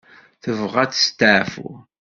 Tebɣa ad testaɛfu.